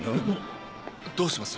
どうします？